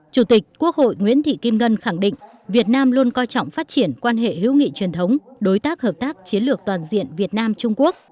chủ tịch quốc hội nguyễn thị kim ngân khẳng định việt nam luôn coi trọng phát triển quan hệ hữu nghị truyền thống đối tác hợp tác chiến lược toàn diện việt nam trung quốc